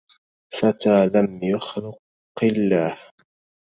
فتى لم يخلق الله